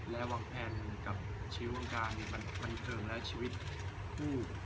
และวางแผนกับชีวิตวงการบันเทิงและชีวิตคู่